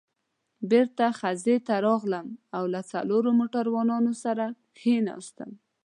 بېرته خزې ته راغلم او له څلورو موټروانانو سره کېناستم.